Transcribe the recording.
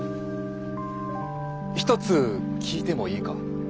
一つ聞いてもいいか。